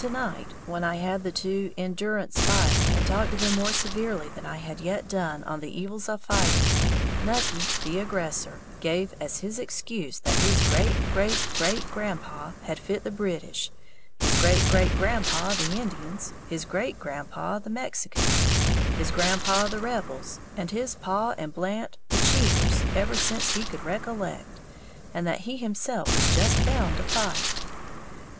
'"] To night when I had the two in durance vile, and talked to them more severely than I had yet done on the evils of fighting, Nucky, the aggressor, gave as his excuse that his great great great grandpaw had fit the British, his great great grandpaw the Indians, his great grandpaw the Mexicans, his grandpaw the Rebels, and his paw and Blant the Cheevers ever since he could recollect, and that he himself was just bound to fight.